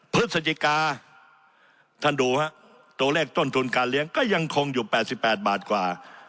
พฤศจิกาท่านดูฮะตัวเลขต้นทุนการเลี้ยงก็ยังคงอยู่๘๘บาทกว่า